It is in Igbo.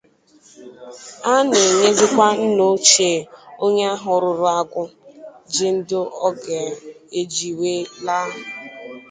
A na-enyekwazị nnaochie onye ahụ rụrụ agwụ ji ndụ ọ ga-eji wee laa.